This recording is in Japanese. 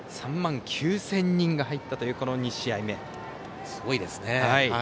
３万９０００人が入ったというこの２試合目。